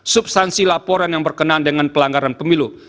substansi laporan yang berkenaan dengan pelanggaran pemilu